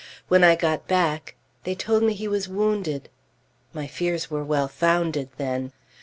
When I got back, they told me he was wounded. My fears were well founded, then.